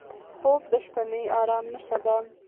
خوب د شپهني ارام نښه ده